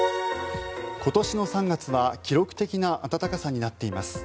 今年の３月は記録的な暖かさになっています。